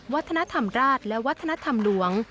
วัฒนธรรมราชและวัฒนธรรมหลวง